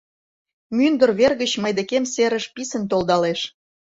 Мӱндыр вер гыч мый декем Серыш писын толдалеш.